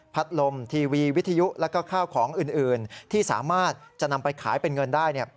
ลมทีวีวิทยุแล้วก็ข้าวของอื่นที่สามารถจะนำไปขายเป็นเงินได้